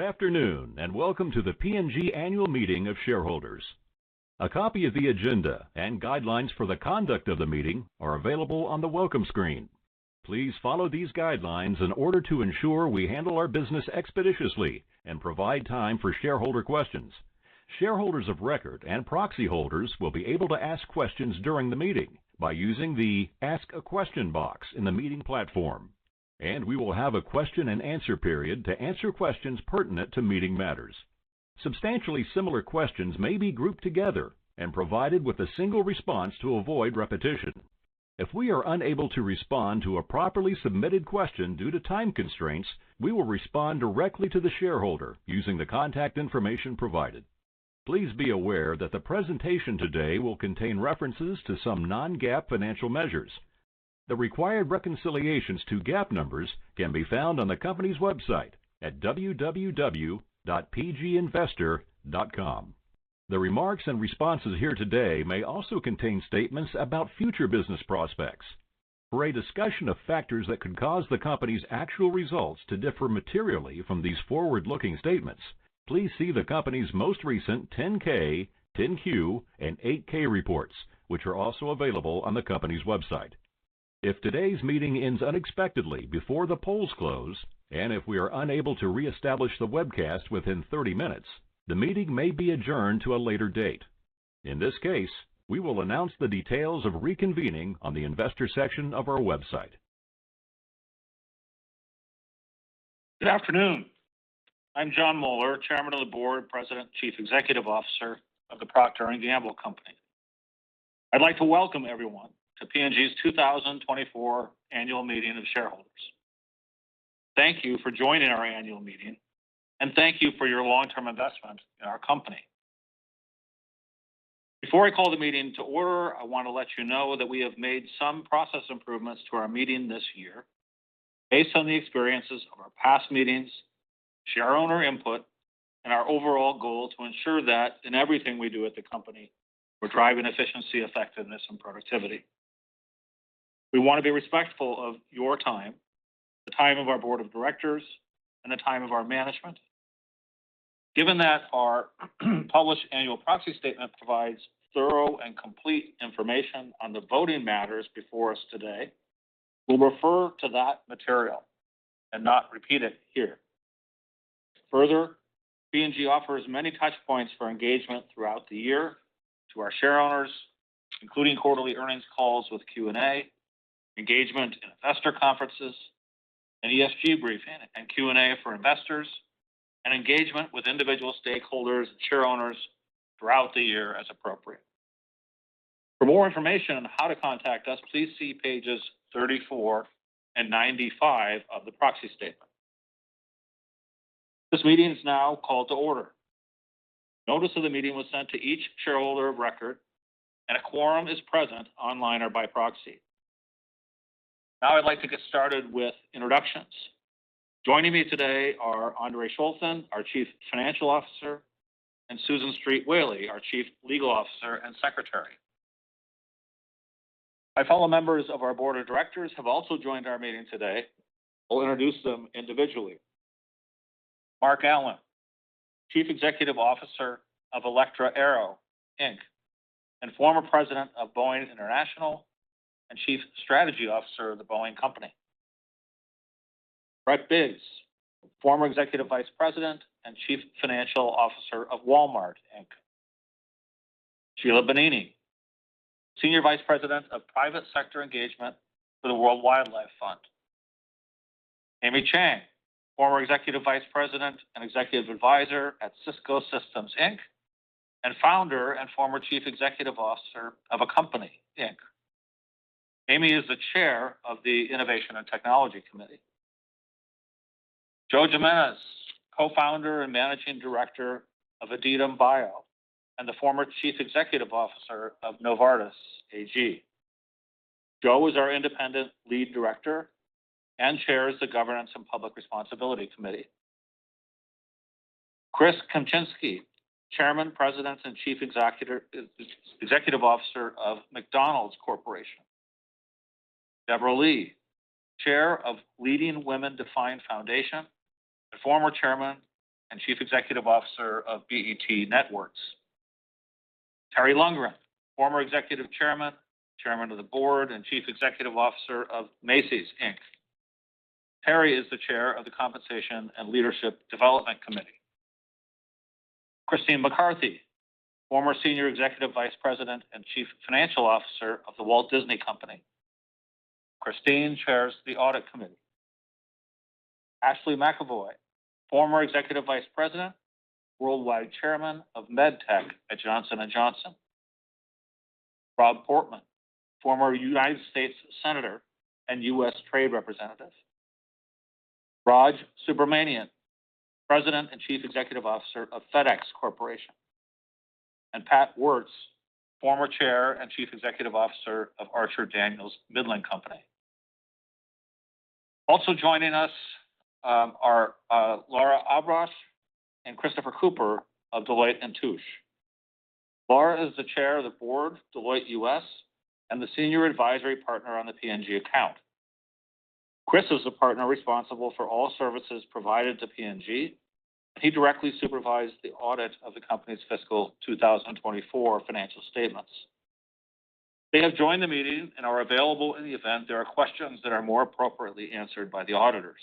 Good afternoon, and welcome to the P&G Annual Meeting of Shareholders. A copy of the agenda and guidelines for the conduct of the meeting are available on the welcome screen. Please follow these guidelines in order to ensure we handle our business expeditiously and provide time for shareholder questions. Shareholders of record and proxy holders will be able to ask questions during the meeting by using the Ask a Question box in the meeting platform, and we will have a question and answer period to answer questions pertinent to meeting matters. Substantially similar questions may be grouped together and provided with a single response to avoid repetition. If we are unable to respond to a properly submitted question due to time constraints, we will respond directly to the shareholder using the contact information provided. Please be aware that the presentation today will contain references to some non-GAAP financial measures. The required reconciliations to GAAP numbers can be found on the company's website at www.pginvestor.com. The remarks and responses here today may also contain statements about future business prospects. For a discussion of factors that could cause the company's actual results to differ materially from these forward-looking statements, please see the company's most recent 10-K, 10-Q, and 8-K reports, which are also available on the company's website. If today's meeting ends unexpectedly before the polls close, and if we are unable to reestablish the webcast within 30 minutes, the meeting may be adjourned to a later date. In this case, we will announce the details of reconvening on the investor section of our website. Good afternoon. I'm Jon Moeller, Chairman of the Board, President, and Chief Executive Officer of the Procter & Gamble Company. I'd like to welcome everyone to P&G's two thousand and twenty-four Annual Meeting of Shareholders. Thank you for joining our annual meeting, and thank you for your long-term investment in our company. Before I call the meeting to order, I want to let you know that we have made some process improvements to our meeting this year based on the experiences of our past meetings, shareowner input, and our overall goal to ensure that in everything we do at the company, we're driving efficiency, effectiveness, and productivity. We want to be respectful of your time, the time of our board of directors, and the time of our management. Given that our published annual proxy statement provides thorough and complete information on the voting matters before us today, we'll refer to that material and not repeat it here. Further, P&G offers many touchpoints for engagement throughout the year to our shareowners, including quarterly earnings calls with Q&A, engagement and investor conferences, an ESG briefing and Q&A for investors, and engagement with individual stakeholders and shareowners throughout the year as appropriate. For more information on how to contact us, please see pages 34 and 95 of the proxy statement. This meeting is now called to order. Notice of the meeting was sent to each shareholder of record, and a quorum is present online or by proxy. Now, I'd like to get started with introductions. Joining me today are Andre Schulten, our Chief Financial Officer, and Susan Street Whaley, our Chief Legal Officer and Secretary. My fellow members of our board of directors have also joined our meeting today. I'll introduce them individually. Marc Allen, Chief Executive Officer of Electra Aero, Inc., and former President of Boeing International and Chief Strategy Officer of The Boeing Company. Brett Biggs, former Executive Vice President and Chief Financial Officer of Walmart, Inc. Sheila Bonini, Senior Vice President of Private Sector Engagement for the World Wildlife Fund. Amy Chang, former Executive Vice President and Executive Advisor at Cisco Systems, Inc., and Founder and former Chief Executive Officer of Accompany, Inc. Amy is the Chair of the Innovation and Technology Committee. Joe Jimenez, Co-founder and Managing Director of Aditum Bio, and the former Chief Executive Officer of Novartis AG. Joe is our independent lead director and chairs the Governance and Public Responsibility Committee. Chris Kempczinski, Chairman, President, and Chief Executive Officer of McDonald's Corporation. Debra Lee, Chair of Leading Women Defined Foundation and former Chairman and Chief Executive Officer of BET Networks. Terry Lundgren, former Executive Chairman, Chairman of the Board, and Chief Executive Officer of Macy's, Inc. Terry is the Chair of the Compensation and Leadership Development Committee. Christine McCarthy, former Senior Executive Vice President and Chief Financial Officer of The Walt Disney Company. Christine chairs the Audit Committee. Ashley McEvoy, former Executive Vice President, Worldwide Chairman of MedTech at Johnson & Johnson. Rob Portman, former United States Senator and US Trade Representative. Raj Subramanian, President and Chief Executive Officer of FedEx Corporation, and Pat Woertz, former Chair and Chief Executive Officer of Archer-Daniels-Midland Company. Also joining us, are, Lara Abrash and Christopher Cooper of Deloitte & Touche. Lara is the Chair of the Board, Deloitte U.S., and the senior advisory partner on the P&G account. Chris is the partner responsible for all services provided to P&G, and he directly supervised the audit of the company's fiscal 2024 financial statements. They have joined the meeting and are available in the event there are questions that are more appropriately answered by the auditors.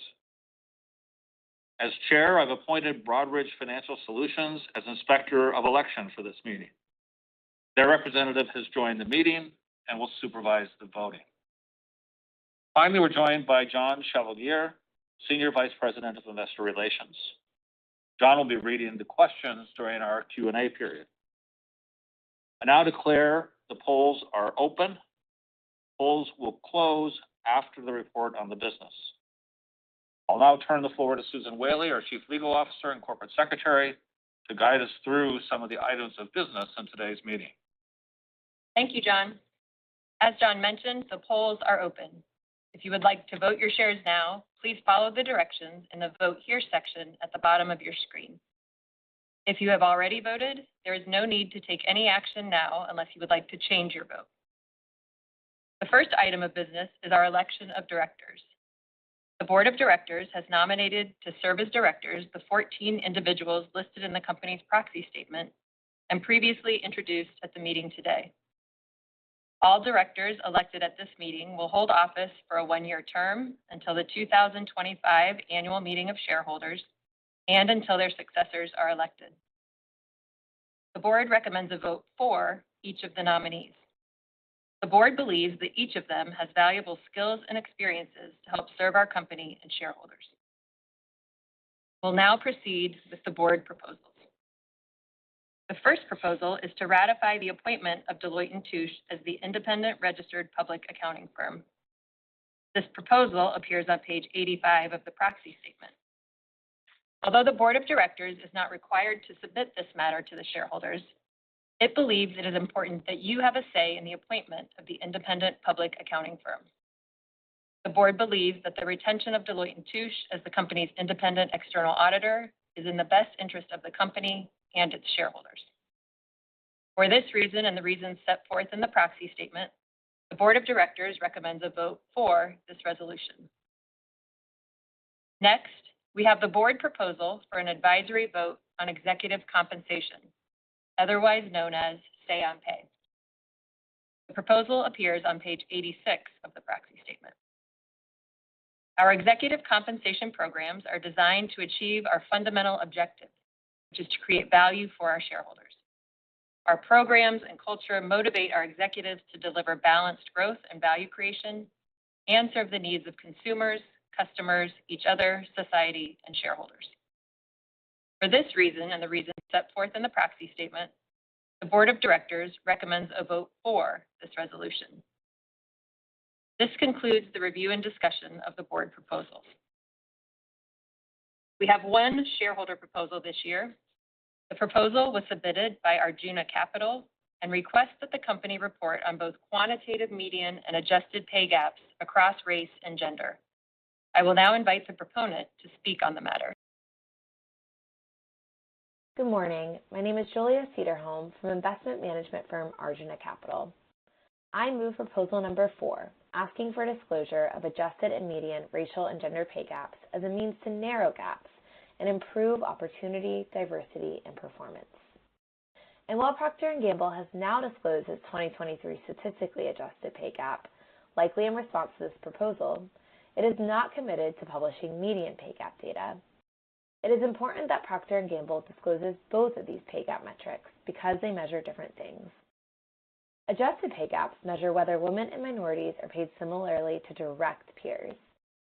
As chair, I've appointed Broadridge Financial Solutions as Inspector of Election for this meeting. Their representative has joined the meeting and will supervise the voting. Finally, we're joined by John Chevalier, Senior Vice President of Investor Relations. John will be reading the questions during our Q&A period. I now declare the polls are open. Polls will close after the report on the business. I'll now turn the floor to Susan Whaley, our Chief Legal Officer and Corporate Secretary, to guide us through some of the items of business in today's meeting. Thank you, Jon. As Jon mentioned, the polls are open. If you would like to vote your shares now, please follow the directions in the Vote Here section at the bottom of your screen. If you have already voted, there is no need to take any action now unless you would like to change your vote. The first item of business is our election of directors. The board of directors has nominated to serve as directors the 14 individuals listed in the company's proxy statement and previously introduced at the meeting today. All directors elected at this meeting will hold office for a one-year term until the 2025 annual meeting of shareholders and until their successors are elected. The board recommends a vote for each of the nominees. The board believes that each of them has valuable skills and experiences to help serve our company and shareholders. We'll now proceed with the board proposals. The first proposal is to ratify the appointment of Deloitte & Touche as the independent registered public accounting firm. This proposal appears on page 85 of the proxy statement. Although the board of directors is not required to submit this matter to the shareholders, it believes it is important that you have a say in the appointment of the independent public accounting firm. The board believes that the retention of Deloitte & Touche as the company's independent external auditor is in the best interest of the company and its shareholders. For this reason, and the reasons set forth in the proxy statement, the board of directors recommends a vote for this resolution. Next, we have the board proposal for an advisory vote on executive compensation, otherwise known as Say on Pay. The proposal appears on page 86 of the proxy statement. Our executive compensation programs are designed to achieve our fundamental objective, which is to create value for our shareholders. Our programs and culture motivate our executives to deliver balanced growth and value creation and serve the needs of consumers, customers, each other, society, and shareholders. For this reason, and the reasons set forth in the proxy statement, the board of directors recommends a vote for this resolution. This concludes the review and discussion of the board proposals. We have one shareholder proposal this year. The proposal was submitted by Arjuna Capital and requests that the company report on both quantitative, median, and adjusted pay gaps across race and gender. I will now invite the proponent to speak on the matter. Good morning. My name is Julia Cedarholm from investment management firm, Arjuna Capital. I move proposal number four, asking for disclosure of adjusted and median racial and gender pay gaps as a means to narrow gaps and improve opportunity, diversity, and performance, and while Procter & Gamble has now disclosed its 2023 statistically adjusted pay gap, likely in response to this proposal, it is not committed to publishing median pay gap data. It is important that Procter & Gamble discloses both of these pay gap metrics because they measure different things. Adjusted pay gaps measure whether women and minorities are paid similarly to direct peers,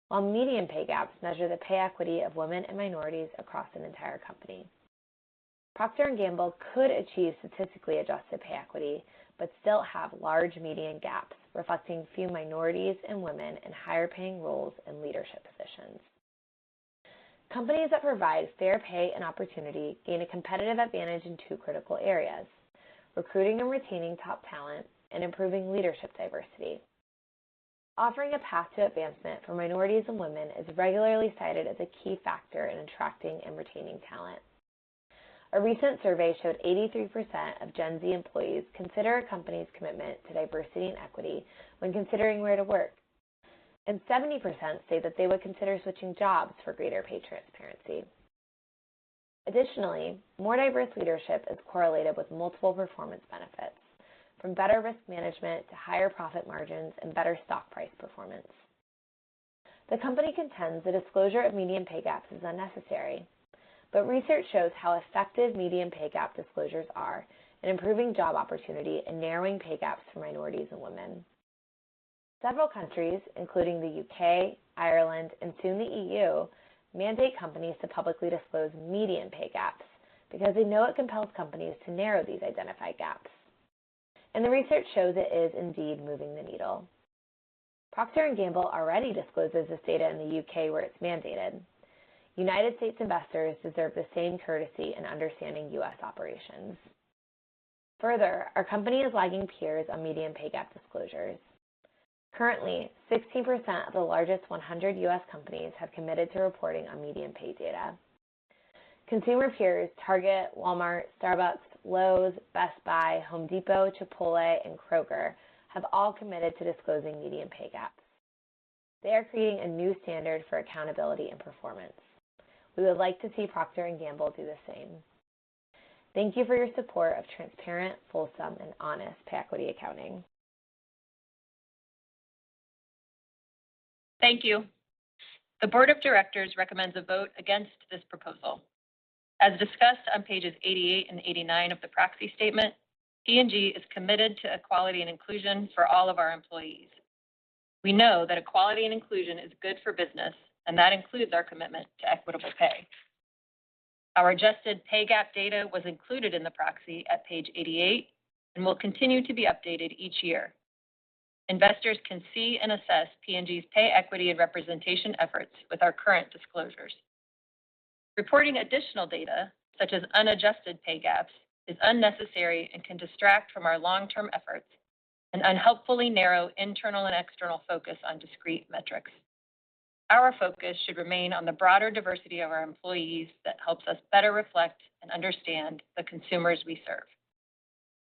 while median pay gaps measure the pay equity of women and minorities across an entire company. Procter & Gamble could achieve statistically adjusted pay equity, but still have large median gaps, reflecting few minorities and women in higher paying roles and leadership positions. Companies that provide fair pay and opportunity gain a competitive advantage in two critical areas: recruiting and retaining top talent and improving leadership diversity. Offering a path to advancement for minorities and women is regularly cited as a key factor in attracting and retaining talent. A recent survey showed 83% of Gen Z employees consider a company's commitment to diversity and equity when considering where to work, and 70% say that they would consider switching jobs for greater pay transparency. Additionally, more diverse leadership is correlated with multiple performance benefits, from better risk management to higher profit margins and better stock price performance. The company contends the disclosure of median pay gaps is unnecessary, but research shows how effective median pay gap disclosures are in improving job opportunity and narrowing pay gaps for minorities and women. Several countries, including the U.K., Ireland, and soon the EU, mandate companies to publicly disclose median pay gaps because they know it compels companies to narrow these identified gaps, and the research shows it is indeed moving the needle. Procter & Gamble already discloses this data in the U.K., where it's mandated. United States investors deserve the same courtesy in understanding U.S. operations. Further, our company is lagging peers on median pay gap disclosures. Currently, 60% of the largest 100 U.S. companies have committed to reporting on median pay data. Consumer peers, Target, Walmart, Starbucks, Lowe's, Best Buy, Home Depot, Chipotle, and Kroger, have all committed to disclosing median pay gap. They are creating a new standard for accountability and performance. We would like to see Procter & Gamble do the same. Thank you for your support of transparent, fulsome, and honest pay equity accounting. Thank you. The board of directors recommends a vote against this proposal. As discussed on pages 88 and 89 of the proxy statement, P&G is committed to equality and inclusion for all of our employees. We know that equality and inclusion is good for business, and that includes our commitment to equitable pay. Our adjusted pay gap data was included in the proxy at page 88 and will continue to be updated each year. Investors can see and assess P&G's pay equity and representation efforts with our current disclosures. Reporting additional data, such as unadjusted pay gaps, is unnecessary and can distract from our long-term efforts and unhelpfully narrow internal and external focus on discrete metrics. Our focus should remain on the broader diversity of our employees that helps us better reflect and understand the consumers we serve.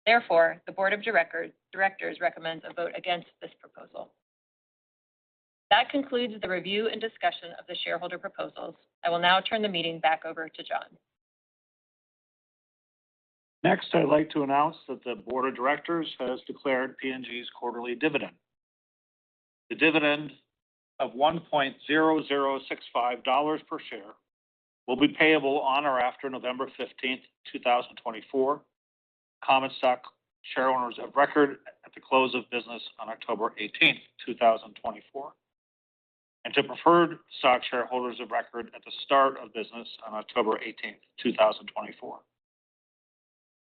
Therefore, the board of directors recommends a vote against this proposal. That concludes the review and discussion of the shareholder proposals. I will now turn the meeting back over to Jon. Next, I'd like to announce that the board of directors has declared P&G's quarterly dividend. The dividend of $1.0065 per share will be payable on or after November 15th, 2024. Common stock share owners of record at the close of business on October 18th, 2024, and to preferred stock shareholders of record at the start of business on October 18th, 2024.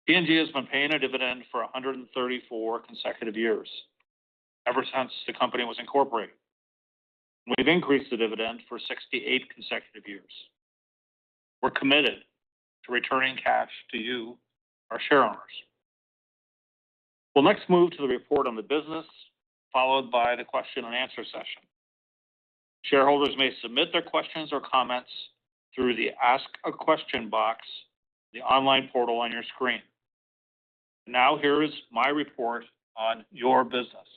P&G has been paying a dividend for a 134 consecutive years, ever since the company was incorporated. We've increased the dividend for 68 consecutive years. We're committed to returning cash to you, our shareowners. We'll next move to the report on the business, followed by the question and answer session. Shareholders may submit their questions or comments through the Ask a Question box, the online portal on your screen. Now, here is my report on your business.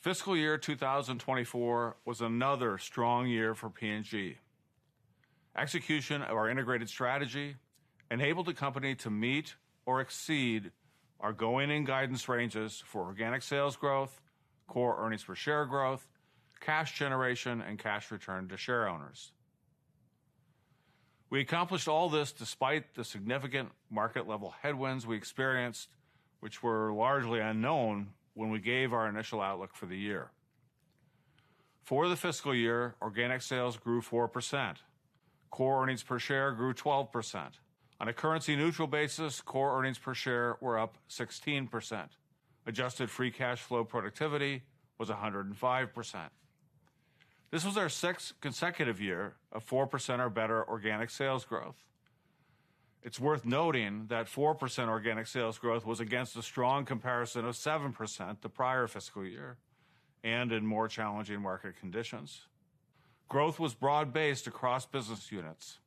Fiscal year 2024 was another strong year for P&G. Execution of our integrated strategy enabled the company to meet or exceed our going in guidance ranges for organic sales growth, core earnings per share growth, cash generation, and cash return to shareowners. We accomplished all this despite the significant market-level headwinds we experienced, which were largely unknown when we gave our initial outlook for the year. For the fiscal year, organic sales grew 4%. Core earnings per share grew 12%. On a currency neutral basis, core earnings per share were up 16%. Adjusted free cash flow productivity was 105%. This was our sixth consecutive year of 4% or better organic sales growth. It's worth noting that 4% organic sales growth was against a strong comparison of 7% the prior fiscal year, and in more challenging market conditions. Growth was broad-based across business units,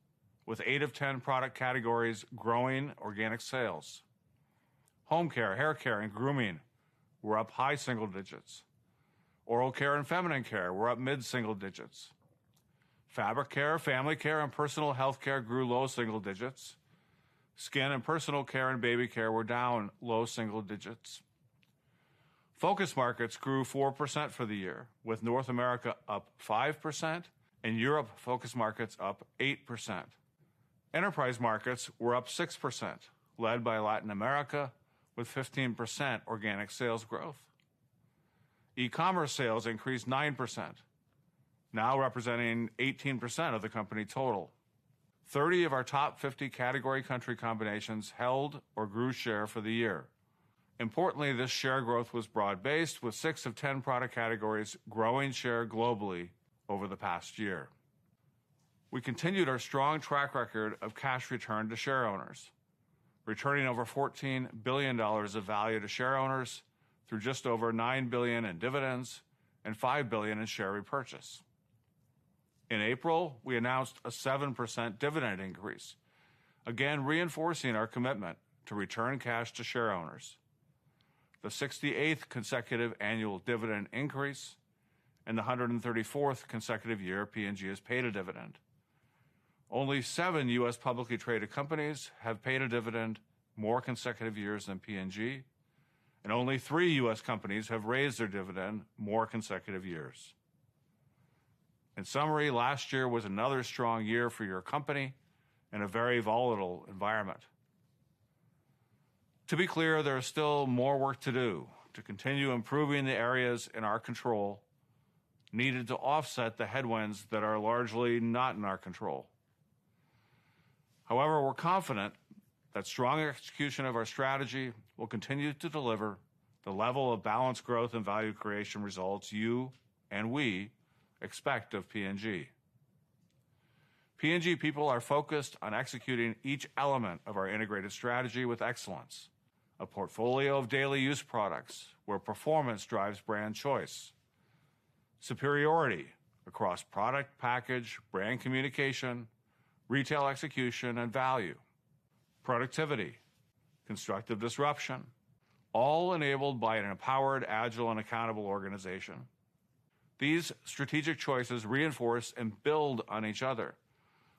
with eight of 10 product categories growing organic sales. Home Care, Hair Care, and Grooming were up high single digits. Oral Care and Feminine Care were up mid single digits. Fabric Care, Family Care, and Personal Health Care grew low single digits. Skin and Personal Care and Baby Care were down low single digits. Focus Markets grew 4% for the year, with North America up 5% and Europe Focus Markets up 8%. Enterprise Markets were up 6%, led by Latin America, with 15% organic sales growth. E-commerce sales increased 9%, now representing 18% of the company total. Thirty of our top fifty category country combinations held or grew share for the year. Importantly, this share growth was broad-based, with six of 10 product categories growing share globally over the past year. We continued our strong track record of cash returned to shareowners, returning over $14 billion of value to shareowners through just over $9 billion in dividends and $5 billion in share repurchase. In April, we announced a 7% dividend increase, again, reinforcing our commitment to return cash to shareowners. The 68 consecutive annual dividend increase and the 134 consecutive year P&G has paid a dividend. Only seven U.S. publicly traded companies have paid a dividend more consecutive years than P&G, and only three U.S. companies have raised their dividend more consecutive years. In summary, last year was another strong year for your company in a very volatile environment. To be clear, there is still more work to do to continue improving the areas in our control, needed to offset the headwinds that are largely not in our control. However, we're confident that strong execution of our strategy will continue to deliver the level of balanced growth and value creation results you and we expect of P&G. P&G people are focused on executing each element of our integrated strategy with excellence. A portfolio of daily use products, where performance drives brand choice. Superiority across product, package, brand communication, retail execution, and value. Productivity, Constructive Disruption, all enabled by an empowered, agile, and accountable organization. These strategic choices reinforce and build on each other.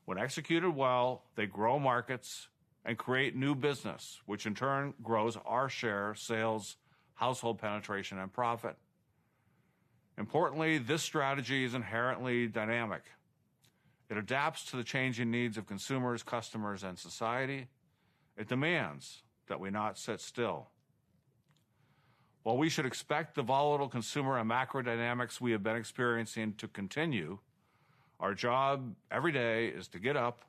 When executed well, they grow markets and create new business, which in turn grows our share, sales, household penetration, and profit. Importantly, this strategy is inherently dynamic. It adapts to the changing needs of consumers, customers, and society. It demands that we not sit still. While we should expect the volatile consumer and macrodynamics we have been experiencing to continue, our job every day is to get up,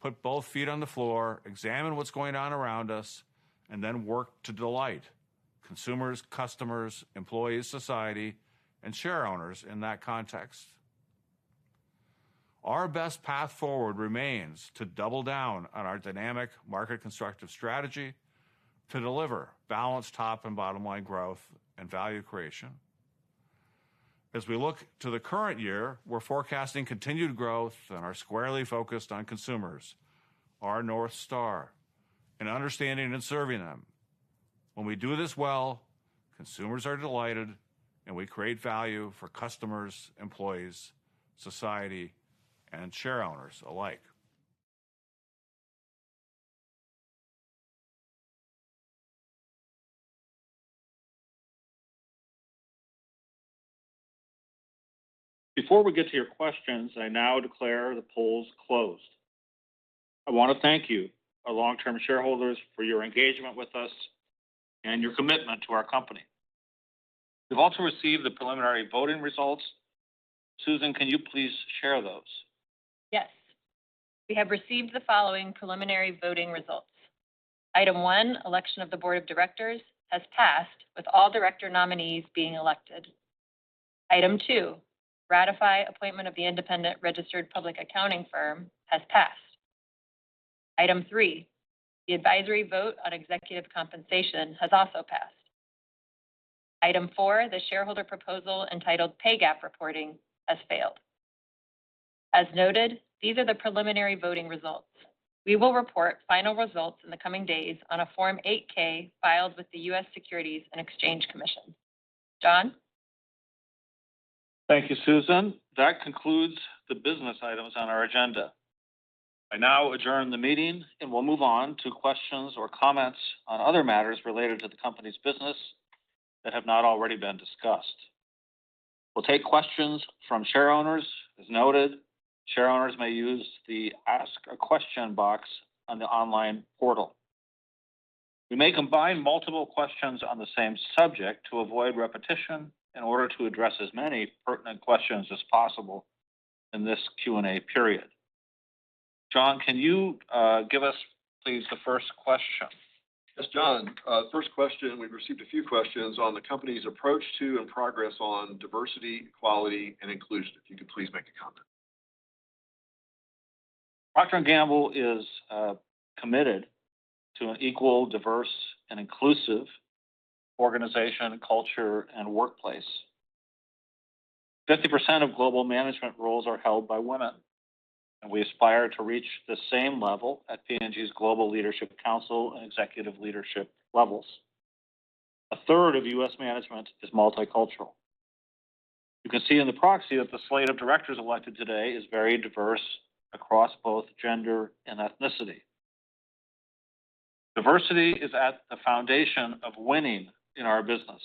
put both feet on the floor, examine what's going on around us, and then work to delight consumers, customers, employees, society, and shareowners in that context. Our best path forward remains to double down on our dynamic market constructive strategy to deliver balanced top and bottom line growth and value creation. As we look to the current year, we're forecasting continued growth and are squarely focused on consumers, our North Star, and understanding and serving them. When we do this well, consumers are delighted, and we create value for customers, employees, society, and shareowners alike. Before we get to your questions, I now declare the polls closed. I want to thank you, our long-term shareholders, for your engagement with us and your commitment to our company. We've also received the preliminary voting results. Susan, can you please share those? Yes. We have received the following preliminary voting results. Item one, election of the board of directors, has passed, with all director nominees being elected. Item two, ratify appointment of the independent registered public accounting firm, has passed. Item three, the advisory vote on executive compensation, has also passed. Item four, the shareholder proposal entitled Pay Gap Reporting, has failed. As noted, these are the preliminary voting results. We will report final results in the coming days on a Form 8-K filed with the U.S. Securities and Exchange Commission. Jon? Thank you, Susan. That concludes the business items on our agenda. I now adjourn the meeting, and we'll move on to questions or comments on other matters related to the company's business that have not already been discussed. We'll take questions from shareowners. As noted, shareowners may use the Ask a Question box on the online portal. We may combine multiple questions on the same subject to avoid repetition in order to address as many pertinent questions as possible in this Q&A period. John, can you give us, please, the first question? Yes, Jon, first question, we've received a few questions on the company's approach to and progress on diversity, equality, and inclusion. If you could please make a comment. Procter & Gamble is committed to an equal, diverse, and inclusive organization, culture, and workplace. 50% of global management roles are held by women, and we aspire to reach the same level at P&G's Global Leadership Council and executive leadership levels. A third of U.S. management is multicultural. You can see in the proxy that the slate of directors elected today is very diverse across both gender and ethnicity. Diversity is at the foundation of winning in our business,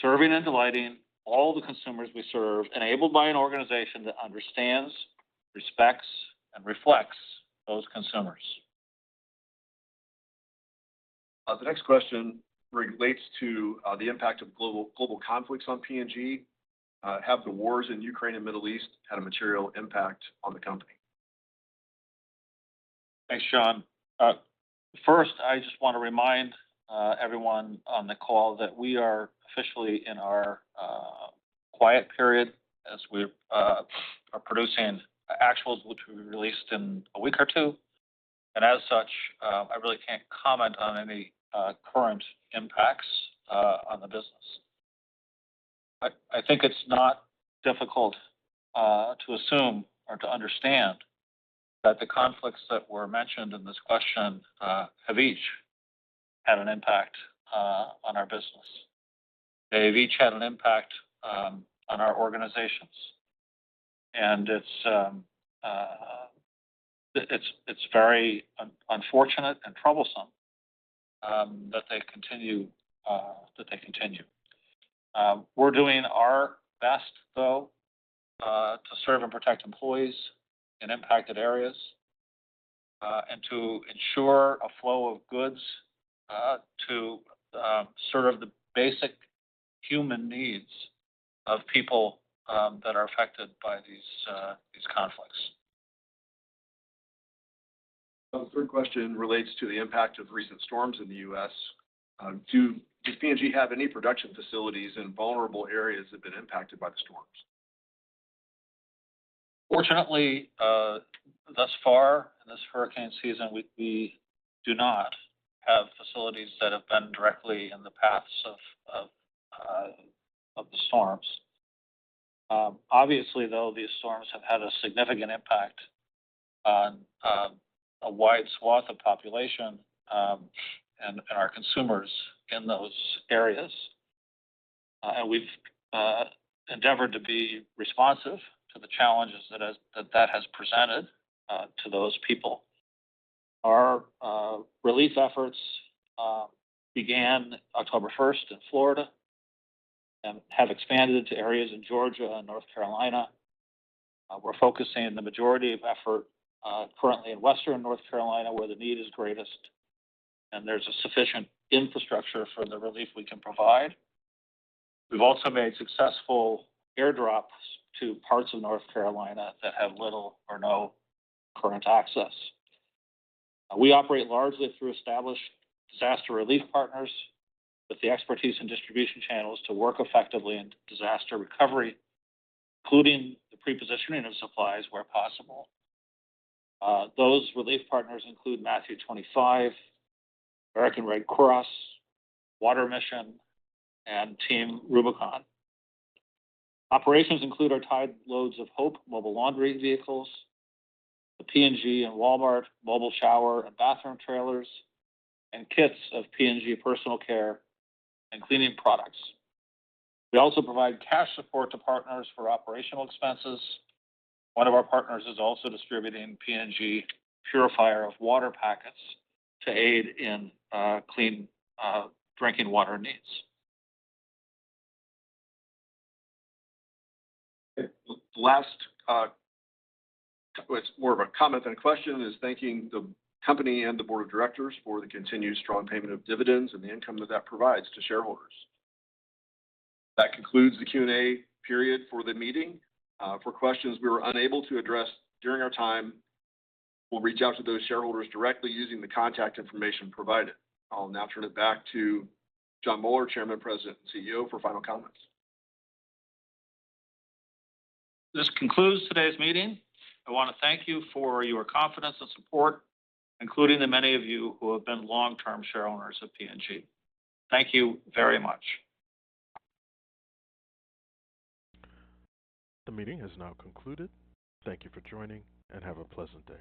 serving and delighting all the consumers we serve, enabled by an organization that understands, respects, and reflects those consumers. The next question relates to the impact of global conflicts on P&G. Have the wars in Ukraine and Middle East had a material impact on the company? Thanks, John. First, I just want to remind everyone on the call that we are officially in our quiet period as we are producing actuals, which will be released in a week or two. And as such, I really can't comment on any current impacts on the business. But I think it's not difficult to assume or to understand that the conflicts that were mentioned in this question have each had an impact on our business. They've each had an impact on our organizations, and it's very unfortunate and troublesome that they continue. We're doing our best, though, to serve and protect employees in impacted areas and to ensure a flow of goods to serve the basic human needs.... of people that are affected by these conflicts. The third question relates to the impact of recent storms in the U.S. do P&G have any production facilities in vulnerable areas that have been impacted by the storms? Fortunately, thus far, in this hurricane season, we do not have facilities that have been directly in the paths of the storms. Obviously, though, these storms have had a significant impact on a wide swath of population and our consumers in those areas. We've endeavored to be responsive to the challenges that has presented to those people. Our relief efforts began October first in Florida and have expanded to areas in Georgia and North Carolina. We're focusing the majority of effort currently in Western North Carolina, where the need is greatest, and there's a sufficient infrastructure for the relief we can provide. We've also made successful airdrops to parts of North Carolina that have little or no current access. We operate largely through established disaster relief partners with the expertise and distribution channels to work effectively in disaster recovery, including the pre-positioning of supplies where possible. Those relief partners include Matthew 25, American Red Cross, Water Mission, and Team Rubicon. Operations include our Tide Loads of Hope mobile laundry vehicles, the P&G and Walmart mobile shower and bathroom trailers, and kits of P&G personal care and cleaning products. We also provide cash support to partners for operational expenses. One of our partners is also distributing P&G Purifier of Water packets to aid in clean drinking water needs. The last, It's more of a comment than a question, is thanking the company and the board of directors for the continued strong payment of dividends and the income that that provides to shareholders. That concludes the Q&A period for the meeting. For questions we were unable to address during our time, we'll reach out to those shareholders directly using the contact information provided. I'll now turn it back to Jon Moeller, Chairman, President, and CEO, for final comments. This concludes today's meeting. I wanna thank you for your confidence and support, including the many of you who have been long-term shareowners of P&G. Thank you very much. The meeting has now concluded. Thank you for joining, and have a pleasant day.